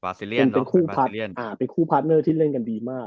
ฟาซิเลียนเป็นคู่อ่าเป็นคู่พาร์ทเนอร์ที่เล่นกันดีมาก